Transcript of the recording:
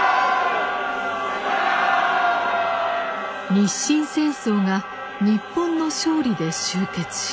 日清戦争が日本の勝利で終結し。